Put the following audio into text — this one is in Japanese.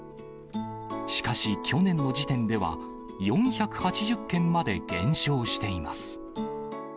しかし、去年の時点では４８０軒まで減少しています。